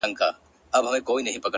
ما وتا بېل كړي سره _